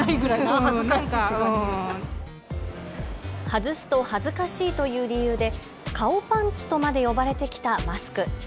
外すと恥ずかしいという理由で顔パンツとまで呼ばれてきたマスク。